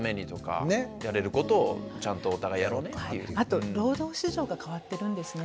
あと労働市場が変わってるんですね。